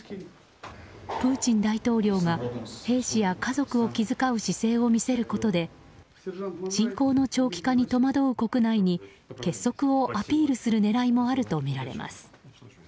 プーチン大統領が兵士や家族を気遣う姿勢を見せることで侵攻の長期化に戸惑う国内に結束をアピールする狙いもあるとみられます。